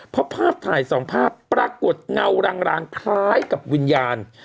เพราะภาพถ่ายสองภาพปรากฏเงารางคล้ายกับวิญญาณ